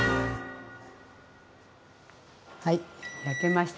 はい焼けました。